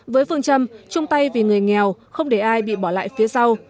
với phương châm chung tay vì người nghèo không để ai bị bỏ lại phía sau